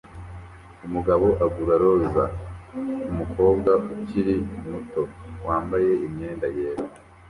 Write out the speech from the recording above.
Umugabo agura roza kumukobwa ukiri muto wambaye imyenda yera